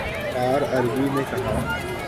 RRB نے کہا